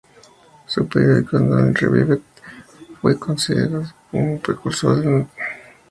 Su periódico, el "Analytical Review", puede ser considerado un precursor del "New Statesman".